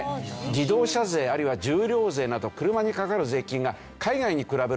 自動車税あるいは重量税など車にかかる税金が海外に比べるとですね